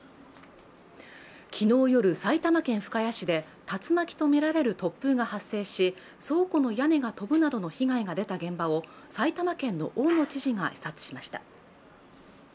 昨日夜、埼玉県深谷市で竜巻とみられる突風が発生し倉庫の屋根が飛ぶなどの被害が出た現場を埼玉県の大野知事が視察しました。